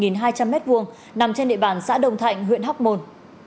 nằm trên địa bàn xã đồng thạnh huyện hóc môn